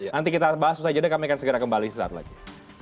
nanti kita bahas setelah itu kami akan kembali sekejap lagi